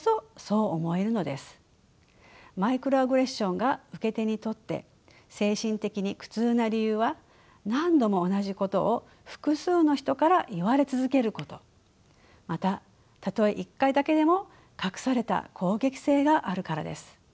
マイクロアグレッションが受け手にとって精神的に苦痛な理由は何度も同じことを複数の人から言われ続けることまたたとえ一回だけでも隠された攻撃性があるからです。